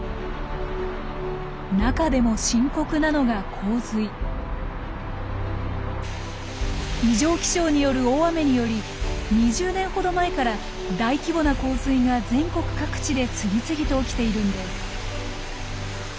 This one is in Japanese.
中でも深刻なのが異常気象による大雨により２０年ほど前から大規模な洪水が全国各地で次々と起きているんです。